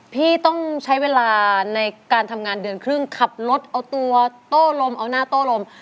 พี่ต้องใช้เวลาในการทำงานเดือนครึ่งขับรถเอาตัวโต้ลมเอาหน้าโต้ลม